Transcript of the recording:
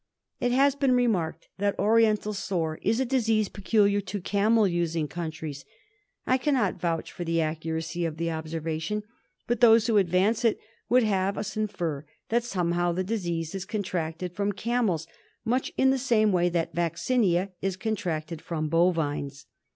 It has been remarked that Oriental Sore is a disease peculiar to camel using countries. I cannot vouch for the accuracy of the observation, but those who advance it would have us infer that somehow the disease is con tracted from camels, much in the same way that vaccinia is contracted from bovines.